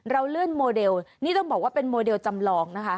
เราเลื่อนโมเดลนี่ต้องบอกว่าเป็นโมเดลจำลองนะคะ